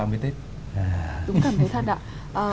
đúng cảm thấy thật ạ